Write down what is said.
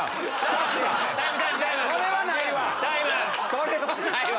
それはないわ！